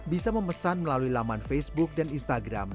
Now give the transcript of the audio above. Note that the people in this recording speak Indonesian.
bisa memesan melalui laman facebook dan instagram